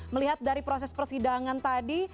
melihat dari proses persidangan tadi